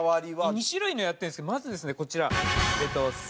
２種類のをやってるんですけどまずですねこちら。